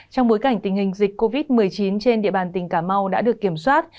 trong bối cảnh tình hình dịch covid một mươi chín trên địa bàn tỉnh cà mau đã được kiểm soát